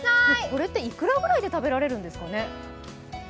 これって幾らくらいで食べられるんですか。